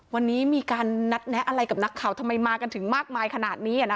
วันนี้มีการนัดแนะอะไรกับนักข่าวทำไมมากันถึงมากมายขนาดนี้